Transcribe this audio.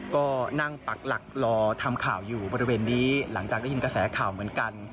ก็นั่งปักหลักรอทำข่าวอยู่บริเวณนี้หลังจากได้ยินกระแสข่าวเหมือนกัน